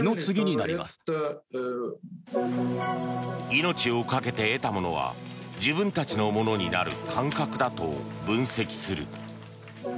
命を懸けて得たものは自分たちのものになる感覚だと分析する。